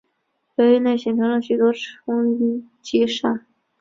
流域内形成了许多冲积扇。